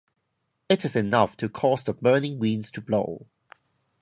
It is enough to cause the burning winds to blow.